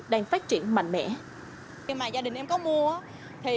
đang phát triển mạnh mẽ